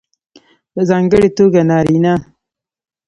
په ځانګړې توګه نارینه